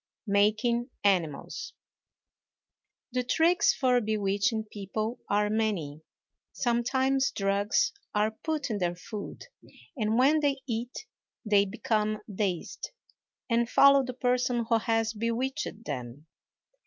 MAKING ANIMALS. The tricks for bewitching people are many. Sometimes drugs are put in their food, and when they eat they become dazed, and follow the person who has bewitched them.